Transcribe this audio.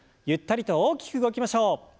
ゆったりと大きく動きましょう。